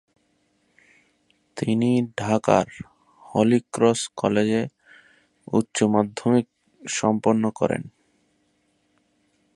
তিনি ঢাকার হলিক্রস কলেজে উচ্চ মাধ্যমিক সম্পন্ন করেন।